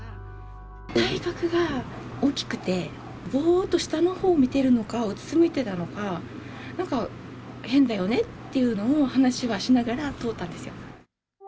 体格が大きくて、ぼーっとしたのほうを見てるのか、うつむいてたのか、なんか変だよねっていうのを、話をしながら通ったんですよ。